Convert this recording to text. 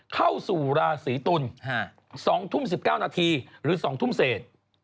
เข้าสู่ราศีตุล๒ทุ่ม๑๙นาทีหรือ๒ทุ่มเศษ